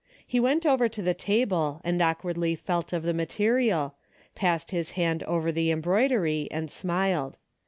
He went over to the table and awkwardly felt of the material, passed his hand over the embroidery and smiled.